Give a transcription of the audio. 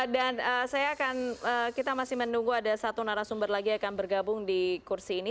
dan saya akan kita masih menunggu ada satu narasumber lagi yang akan bergabung di kursi ini